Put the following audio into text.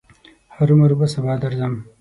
هرو مرو به سبا درځم.